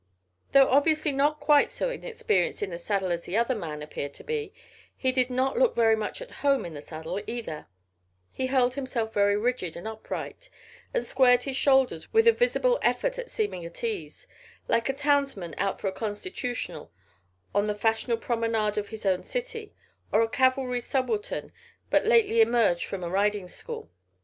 Though obviously not quite so inexperienced in the saddle as the other man appeared to be, he did not look very much at home in the saddle either: he held himself very rigid and upright and squared his shoulders with a visible effort at seeming at ease, like a townsman out for a constitutional on the fashionable promenade of his own city, or a cavalry subaltern but lately emerged from a riding school.